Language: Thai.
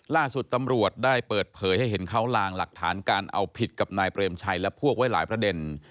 ล่าสุดตำรวจได้เปิดเผยให้เห็นเขาลางหลักฐานการเอาผิดกับนายเปรมชัยและพวกไว้หลายประเด็น